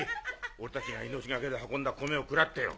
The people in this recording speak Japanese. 俺たちが命がけで運んだ米を食らってよ